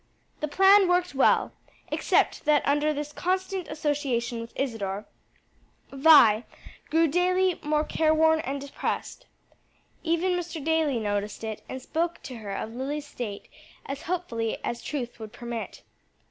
The plan worked well, except that under this constant association with Isadore, Vi grew daily more careworn and depressed. Even Mr. Daly noticed it, and spoke to her of Lily's state as hopefully as truth would permit.